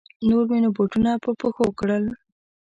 نور مې نو بوټونه په پښو کړل.